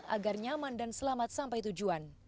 agar nyaman dan selamat sampai tujuan